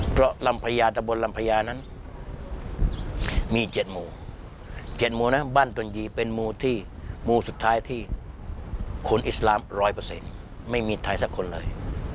เพราะลำพญาตะบนลำพญานั้นมี๗หมู่๗หมู่นั้นบ้านดนยีเป็นหมู่ที่มูสุดท้ายที่คนอิสลาม๑๐๐ไม่มีไทยสักคนเลย